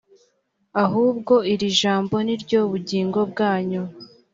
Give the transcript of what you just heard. ahubwo iri jambo ni ryo bugingo bwanyu,